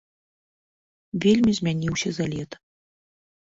Вельмі змяніўся за лета.